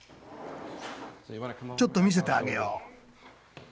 ちょっと見せてあげよう。